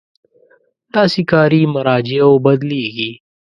داسې کاري مراجعو بدلېږي.